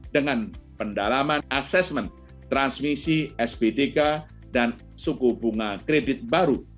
dengan pendalaman asesmen transmisi sbdk dan suku bunga kredit baru